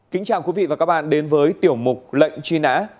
kính chào quý vị và các bạn đến với tiểu mục lệnh truy nã